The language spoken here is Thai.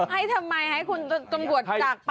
ให้ทำไมให้คุณตำรวจจากไป